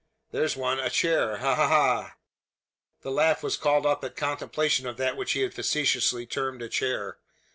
There's one. A chair! Ha! ha! ha!" The laugh was called up at contemplation of that which he had facetiously termed a chair.